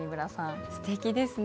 すてきですね。